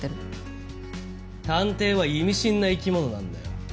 探偵は意味深な生き物なんだよ。